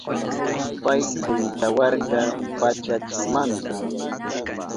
Pay kwintawarka pachachimanta